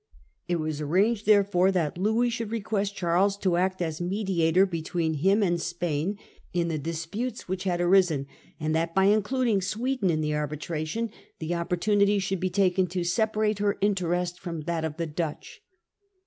It was arranged therefore that Louis should request Charles to act as mediator between him and Spain in the disputes which had arisen, and that by including Sweden in the arbitration the opportunity should be taken to separate her interest from that of the Dutch.